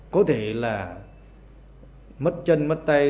có thể là mất chân mất tay